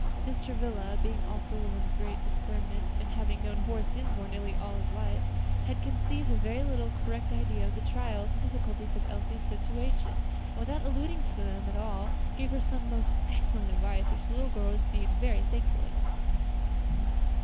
Mrs. Travilla, being also a woman of great discernment, and having known Horace Dinsmore nearly all his life, had conceived a very correct idea of the trials and difficulties of Elsie's situation, and without alluding to them at all, gave her some most excellent advice, which the little girl received very thankfully.